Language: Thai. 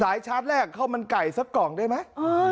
สายชาร์จแลกกับข้าวมันไก่ซับกล่องได้มั้ย